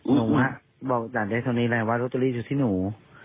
หนูบอกอาจารย์ได้เท่านี้อะไรวะลูตเตอรี่อยู่ที่หนู